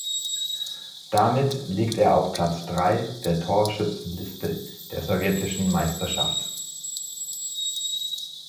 Damit liegt er auf Platz drei der Torschützenliste der sowjetischen Meisterschaft.